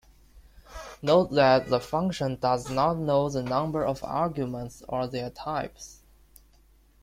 Note that the function does not know the number of arguments or their types.